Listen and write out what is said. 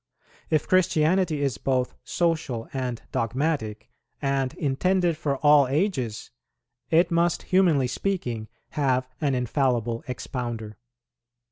If Christianity is both social and dogmatic, and intended for all ages, it must humanly speaking have an infallible expounder.